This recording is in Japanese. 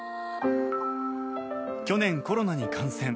去年、コロナに感染。